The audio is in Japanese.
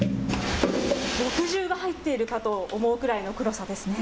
墨汁が入っているかと思うくらいの黒さですね。